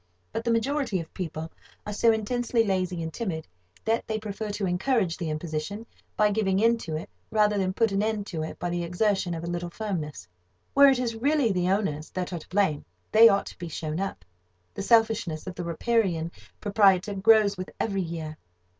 But the majority of people are so intensely lazy and timid, that they prefer to encourage the imposition by giving in to it rather than put an end to it by the exertion of a little firmness. Where it is really the owners that are to blame, they ought to be shown up. The selfishness of the riparian proprietor grows with every year.